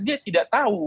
dia tidak tahu